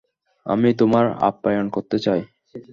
আমি তোমার আপ্যায়ন করতে চাই।